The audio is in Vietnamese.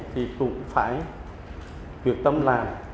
thì cũng phải quyết tâm làm